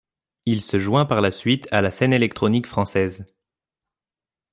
Il se joint par la suite à la scène électronique française.